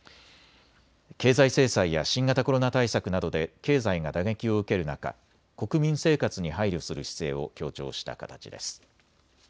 経済制裁や新型コロナ対策などで経済が打撃を受ける中、国民生活に配慮する姿勢を強調した形です。